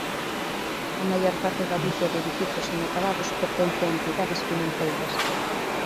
A maior parte da ducia de edificios inacabados pertence a entidades financeiras.